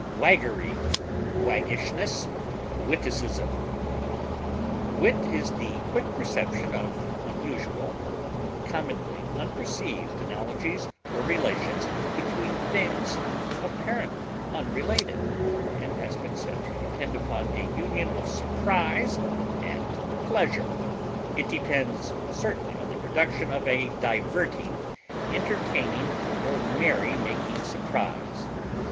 facetiousness, jocularity, raillery, Wit is the quick perception of unusual or commonly unperceived analogies or relations between things apparently unrelated, and has been said to depend upon a union of surprise and pleasure; it depends certainly on the production of a diverting, entertaining, or merrymaking surprise.